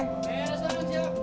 udah beres semua siap